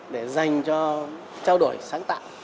để dành cho trao đổi sáng tạo